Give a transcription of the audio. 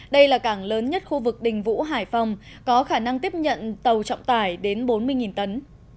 đây là cảng lớn nhất khu vực đình vũ hải phòng có khả năng tiếp nhận tàu trọng tải đến bốn mươi tấn